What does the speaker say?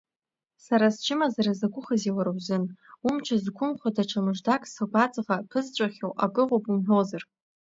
Са счымазара закәыхузеи уара узын, умч зқәымхо даҽа мыждак сгәаҵӷа ԥызҵәахьоу акы ыҟоуп умҳәозар…